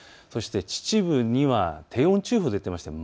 そして秩父には低温注意報が出ています。